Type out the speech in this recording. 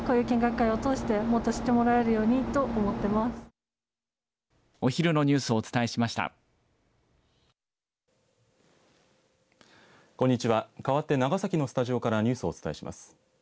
かわって長崎のスタジオからニュースをお伝えします。